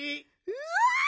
うわ！